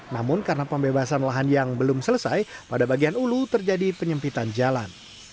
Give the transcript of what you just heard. namun karena pembebasan lahan yang belum selesai pada bagian ulu terjadi penyempitan jalan